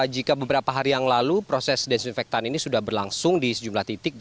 jika beberapa hari yang lalu proses desinfektan ini sudah berlangsung di sejumlah titik